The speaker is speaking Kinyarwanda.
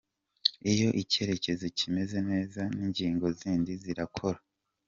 Iyo icyerekezo kimeze neza n’ingingo zindi zirakora.